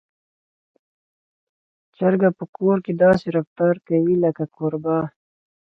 چرګه په کور کې داسې رفتار کوي لکه کوربه.